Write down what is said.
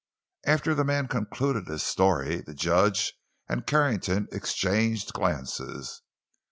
After the man concluded his story the judge and Carrington exchanged glances.